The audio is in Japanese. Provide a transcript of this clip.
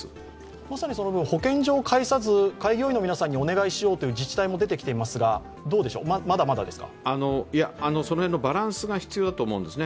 まさに保健所を介さず開業医の皆さんにお願いしようという自治体も出てきていますがバランスが必要だと思うんですね。